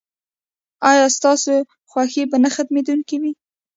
ایا ستاسو خوښي به نه ختمیدونکې وي؟